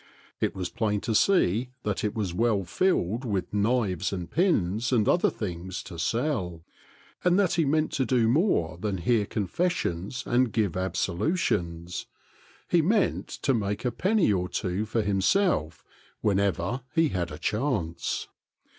It was plain to see that it was well filled with knives and pins and other things to sell ; and that he meant to do more than hear confessions and give absolutions, — he meant to make a penny or two for himself whenever he had a chance.